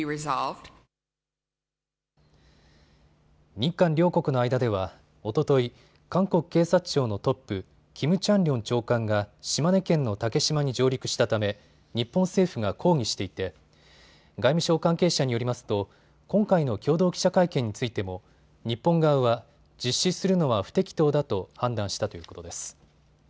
日韓両国の間ではおととい、韓国警察庁のトップ、キム・チャンリョン長官が島根県の竹島に上陸したため日本政府が抗議していて外務省関係者によりますと今回の共同記者会見についても日本側は実施するのは不適当だと判断したということです。